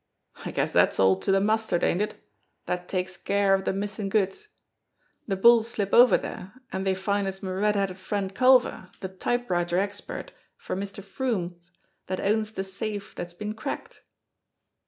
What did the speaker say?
I guess dat's all to de mustard, ain't it? Dat takes care of de missin' goods ! De bulls slip over dere, an' dey finds it's me red headed friend Culver, de typewriter expert for Mr. Froomes dat owns de safe dat's been cracked."